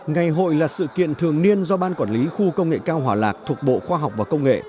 ngày hội là sự kiện thường niên do ban quản lý khu công nghệ cao hỏa lạc thuộc bộ khoa học và công nghệ